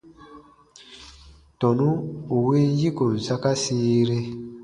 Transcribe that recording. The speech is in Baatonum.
Tɔnu ù win yikon saka sĩire.